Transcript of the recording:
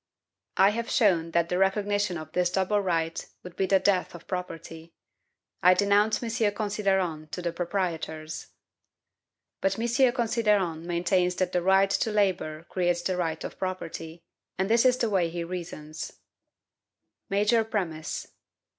I have shown that the recognition of this double right would be the death of property. I denounce M. Considerant to the proprietors! But M. Considerant maintains that the right to labor creates the right of property, and this is the way he reasons: Major Premise.